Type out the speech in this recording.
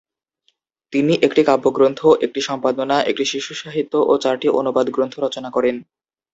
তিনি একটি কাব্যগ্রন্থ, একটি সম্পাদনা, নয়টি শিশুসাহিত্য এবং চারটি অনুবাদ গ্রন্থ রচনা করেন।